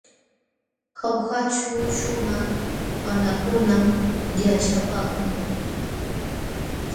Jaujaćhu shumaq wamlakunam yaćhapaakun.